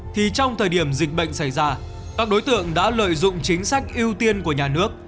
thì trong thời điểm dịch bệnh xảy ra các đối tượng đã lợi dụng chính sách ưu tiên của nhà nước